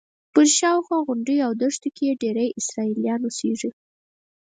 پر شاوخوا غونډیو او دښتو کې ډېری یې اسرائیلیان اوسېږي.